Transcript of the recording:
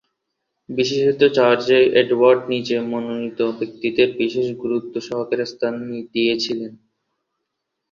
বিশেষত চার্চে এডওয়ার্ড নিজ মনোনীত ব্যক্তিদের বিশেষ গুরুত্ব সহকারে স্থান দিয়েছিলেন।